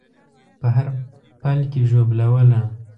په هر پل کې ژوبلوله